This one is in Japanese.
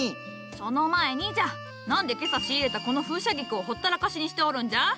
その前にじゃ何で今朝仕入れたこの風車菊をほったらかしにしておるんじゃ？